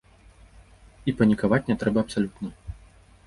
І панікаваць не трэба абсалютна.